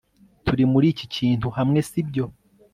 turi muri iki kintu hamwe, sibyo